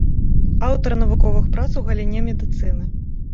Аўтар навуковых прац у галіне медыцыны.